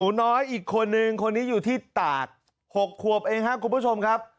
หนูน้อยอีกคนนึงคนนี้อยู่ที่ตาก๖ขวบเองครับคุณผู้ชมครับ